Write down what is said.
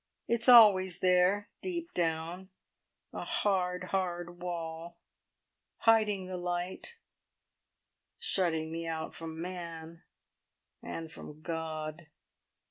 It's always there, deep down, a hard, hard wall, hiding the light, shutting me out from man and from God!"